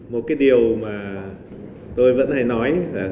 một cái điều mà tôi vẫn hay nói là